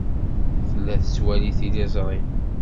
Tella tettwali tiliẓri.